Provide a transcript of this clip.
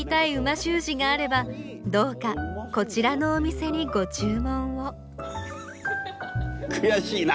字があればどうかこちらのお店にご注文を悔しいな。